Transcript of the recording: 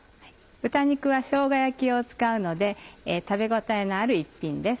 豚肉はしょうが焼き用を使うので食べ応えのある一品です。